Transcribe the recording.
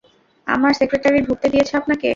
আমার সেক্রেটারি ঢুকতে দিয়েছে আপনাকে।